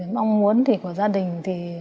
mong muốn thì của gia đình thì